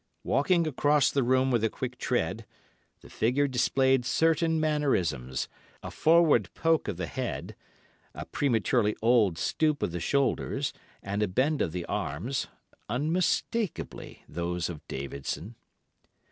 Walking across the room with a quick tread, the figure displayed certain mannerisms—a forward poke of the head, a prematurely old stoop of the shoulders, and a bend of the arms—unmistakably those of Davidson.